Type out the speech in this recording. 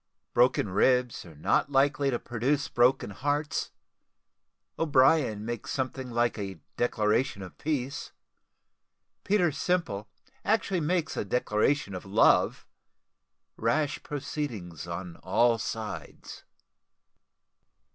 BROKEN RIBS NOT LIKELY TO PRODUCE BROKEN HEARTS O'BRIEN MAKES SOMETHING LIKE A DECLARATION OF PEACE PETER SIMPLE ACTUALLY MAKES A DECLARATION OF LOVE RASH PROCEEDINGS ON ALL SIDES.